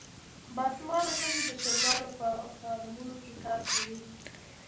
باسواده ښځې د چرګانو په فارمونو کې کار کوي.